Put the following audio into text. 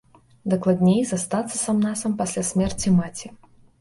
Дакладней, застацца сам-насам пасля смерці маці.